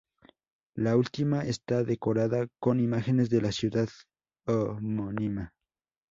La última está decorada con imágenes de la ciudad homónima.